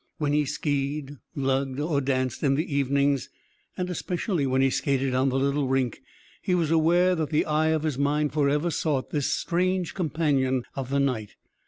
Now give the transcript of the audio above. When he "ski d," "luged," or danced in the evenings, and especially when he skated on the little rink, he was aware that the eyes of his mind forever sought this strange companion of the night.